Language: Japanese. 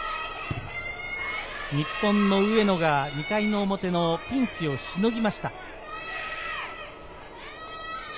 日本の上野が２回の表のピンチをしのぎました。